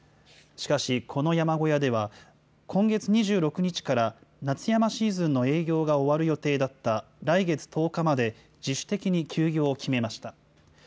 しかし、この山小屋では、今月２６日から夏山シーズンの営業が終わる予定だった来月１０日まで自主的に休業を決めました。